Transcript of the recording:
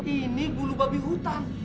ini bulu babi hutan